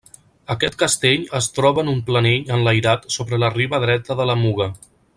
Aquest castell es troba en un planell enlairat sobre la riba dreta de la Muga.